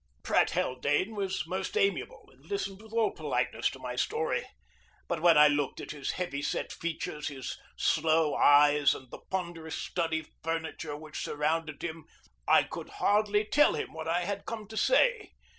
Pratt Haldane was most amiable, and listened with all politeness to my story. But when I looked at his heavy set features, his slow eyes, and the ponderous study furniture which surrounded him, I could hardly tell him what I had come to say.